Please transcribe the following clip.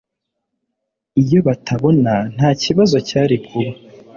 Iyo batabona ntakibazo cyari kuba